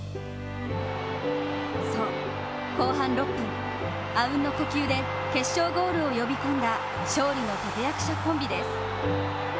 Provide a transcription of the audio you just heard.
そう、後半６分あうんの呼吸で決勝ゴールを呼び込んだ勝利の立て役者コンビです。